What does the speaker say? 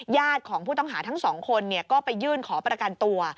ของผู้ต้องหาทั้งสองคนก็ไปยื่นขอประกันตัว